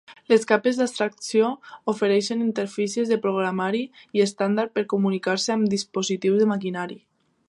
Les capes d'abstracció ofereixen interfícies de programari estàndard per comunicar-se amb dispositius de maquinari.